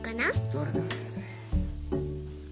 どれどれどれどれ。